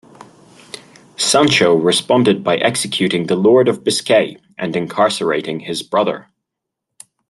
Sancho responded by executing the Lord of Biscay and incarcerating his brother.